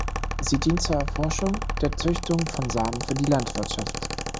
Sie dient zur Erforschung der Züchtung von Samen für die Landwirtschaft.